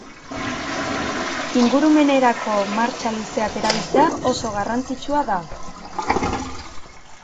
Ingurumenerako martxa luzeak erabiltzea oso garrantzitsua da.